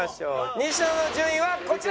西野の順位はこちら！